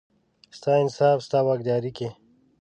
ستا انصاف، ستا واکدارۍ کې،